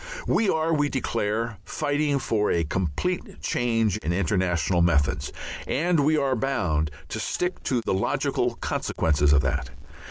We are, we declare, fighting for a complete change in international methods, and we are bound to stick to the logical consequences of that.